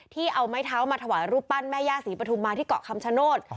ที่เอาไม้เท้ามาถวายรูปปั้นแม่ย่าศรีปฐุมมาที่เกาะคำชโนธ